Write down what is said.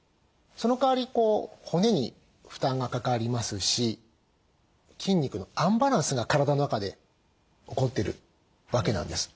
そのかわりこう骨に負担がかかりますし筋肉のアンバランスが体の中で起こってるわけなんです。